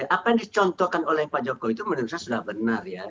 apa yang dicontohkan oleh pak jokowi itu menurut saya sudah benar ya